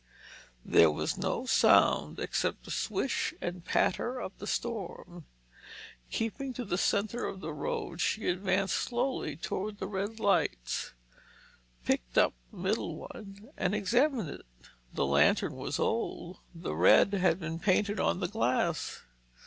There was no sound except the swish and patter of the storm. Keeping to the centre of the road she advanced slowly toward the red lights, picked up the middle one and examined it. The lantern was old—the red had been painted on the glass.